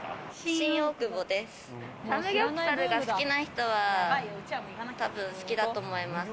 サムギョプサルが好きな人は多分好きだと思います。